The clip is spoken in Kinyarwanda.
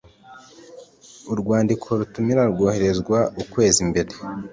urwandiko rutumira rwoherezwa ukwezi mbere